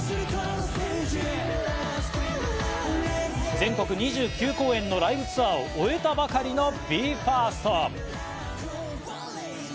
全国２９公演のライブツアーを終えたばかりのＢＥ：ＦＩＲＳＴ。